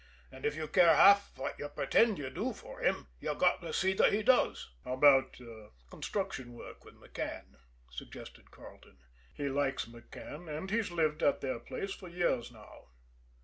And if you care half what you pretend you do for him, you've got to see that he does." "How about construction work with McCann?" suggested Carleton. "He likes McCann, and he's lived at their place for years now."